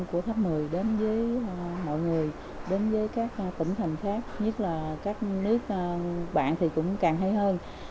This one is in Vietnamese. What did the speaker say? của tháp mười đến với mọi người đến với các tỉnh thành khác nhất là các nước bạn thì cũng càng hay hơn